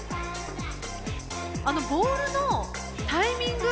あのボールのタイミング。